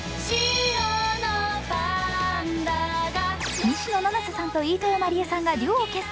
西野七瀬さんと飯豊まりえさんがデュオを結成。